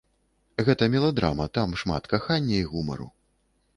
Гэта меладрама, там шмат кахання і гумару.